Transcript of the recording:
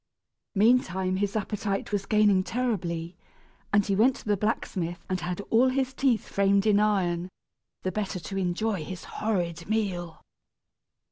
Meantime his appetite was gaining terribly, and he went to the blacksmith and had all his teeth framed in iron, the better to enjoy his horrid meal.